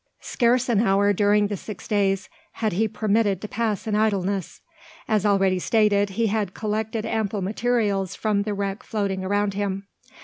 Scarce an hour during the six days had he permitted to pass in idleness. As already stated, he had collected ample materials from the wreck floating around him.